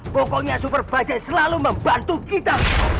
pokoknya super budget selalu membantu kita